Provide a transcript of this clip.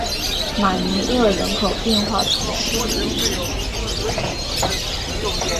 马尼厄人口变化图示